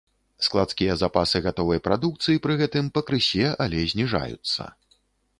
Складскія запасы гатовай прадукцыі пры гэтым пакрысе, але зніжаюцца.